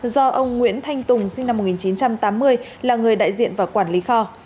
do ông nguyễn thanh tùng sinh năm một nghìn chín trăm tám mươi là người đại diện và quản lý kho